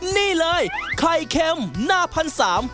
นี่เลยไข่เค็มหน้าพันสาม